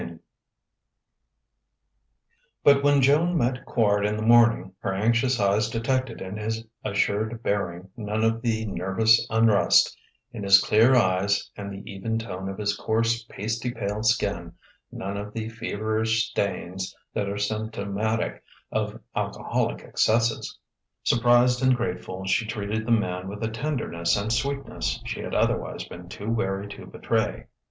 XXIV But when Joan met Quard in the morning her anxious eyes detected in his assured bearing none of the nervous unrest, in his clear eyes and the even tone of his coarse, pasty pale skin none of the feverish stains, that are symptomatic of alcoholic excesses. Surprised and grateful, she treated the man with a tenderness and sweetness she had otherwise been too wary to betray....